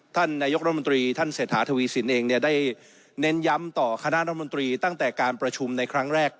ท่านนายกรัฐมนตรีท่านเศรษฐาทวีสินเองได้เน้นย้ำต่อคณะรัฐมนตรีตั้งแต่การประชุมในครั้งแรก